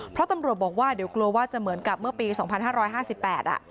เพราะตำรวจบอกว่าเดี๋ยวกลัวว่าจะเหมือนกับเมื่อปี๒๕๕๘อ่ะ